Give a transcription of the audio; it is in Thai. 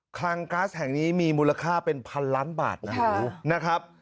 คลังก๊าซแห่งนี้มีมูลค่าเป็นพันล้านบาทนะครับ